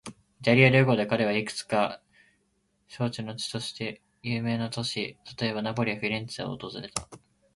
イタリア旅行で彼は、いくつか景勝の地として有名な都市、例えば、ナポリやフィレンツェを訪れた。